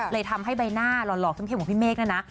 เลยทำให้ใบหน้าหล่อซ้ำเพี้ยงหรือพี่เมฆนี่น่ะนะ